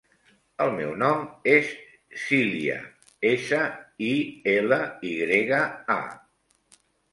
El meu nom és Silya: essa, i, ela, i grega, a.